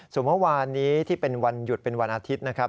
ส่วนเมื่อวานนี้ที่เป็นวันหยุดเป็นวันอาทิตย์นะครับ